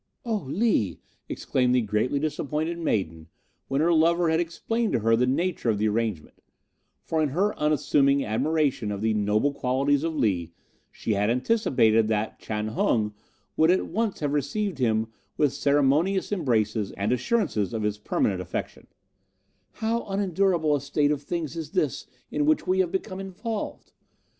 "'Oh, Lee,' exclaimed the greatly disappointed maiden when her lover had explained to her the nature of the arrangement for in her unassuming admiration of the noble qualities of Lee she had anticipated that Chan Hung would at once have received him with ceremonious embraces and assurances of his permanent affection 'how unendurable a state of things is this in which we have become involved!